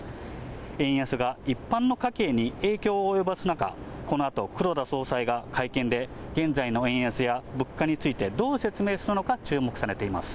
円安が一般の家計に影響を及ぼす中、このあと、黒田総裁が会見で現在の円安や物価についてどう説明するのか注目されています。